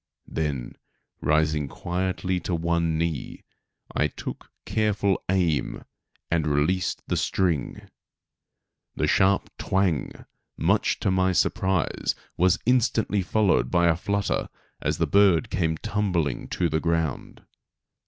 Then, rising quietly to one knee, I took careful aim and released the string. The sharp "twang," much to my surprise was instantly followed by a flutter as the bird came tumbling to the ground.